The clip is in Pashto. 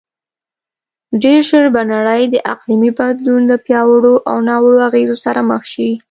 ډېرژر به نړی د اقلیمې بدلون له پیاوړو او ناوړو اغیزو سره مخ شې